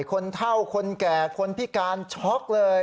คนเท่าคนแก่คนพิการช็อกเลย